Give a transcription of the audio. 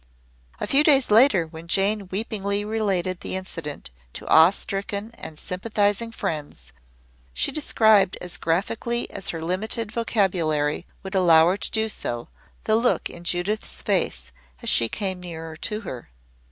A few days later, when Jane weepingly related the incident to awe stricken and sympathizing friends, she described as graphically as her limited vocabulary would allow her to do so, the look in Judith's face as she came nearer to her.